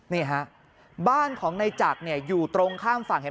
นี่ฮะบ้านของในจักรอยู่ตรงข้ามฝั่ง